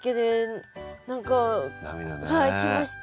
はい来ました。